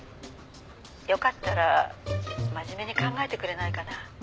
「よかったら真面目に考えてくれないかな？」